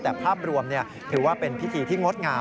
แต่ภาพรวมถือว่าเป็นพิธีที่งดงาม